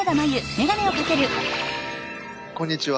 こんにちは！